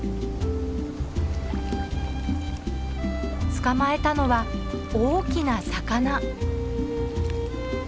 捕まえたのは大きな魚。